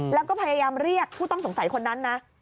แล้วก็พยายามเรียกผู้ต้องสงสัยคนนั้นนะ